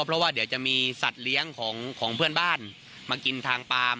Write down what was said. เพราะว่าเดี๋ยวจะมีสัตว์เลี้ยงของเพื่อนบ้านมากินทางปาล์ม